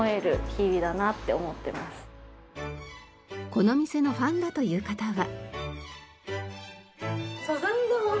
この店のファンだという方は。